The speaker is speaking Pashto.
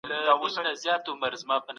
ملکیت د انساني غریزو طبیعي ځواب دی.